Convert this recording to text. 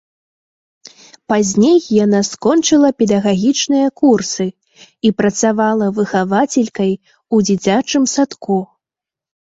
Пазней яна скончыла педагагічныя курсы і працавала выхавацелькай у дзіцячым садку.